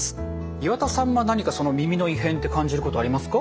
岩田さんは何か耳の異変って感じることありますか？